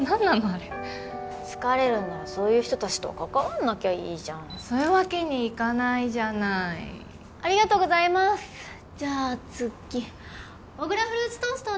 あれ疲れるんならそういう人達と関わんなきゃいいじゃんそういうわけにいかないじゃないありがとうございますじゃあ次小倉フルーツトースト